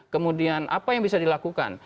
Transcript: kemudian apa yang bisa dilakukan